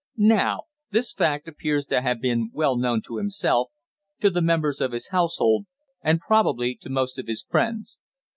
Now this fact appears to have been well known to himself, to the members of his household, and probably to most of his friends.